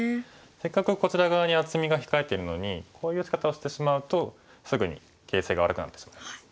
せっかくこちら側に厚みが控えてるのにこういう打ち方をしてしまうとすぐに形勢が悪くなってしまいます。